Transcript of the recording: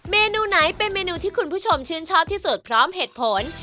เมนูไหนเป็นเมนูที่คุณผู้ชมชื่นชอบที่สุดพร้อมเหตุผล